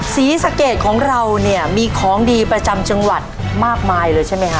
ศรีสะเกดของเราเนี่ยมีของดีประจำจังหวัดมากมายเลยใช่ไหมคะ